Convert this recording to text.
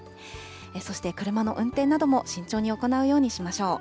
そして車の運転なども慎重に行うようにしましょう。